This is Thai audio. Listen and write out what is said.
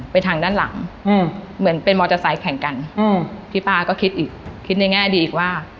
ไปทางด้านหลังอืมเหมือนเป็นมอเตอร์ไซค์แข่งกันอืมพี่ป้าก็คิดอีกคิดในแง่ดีอีกว่า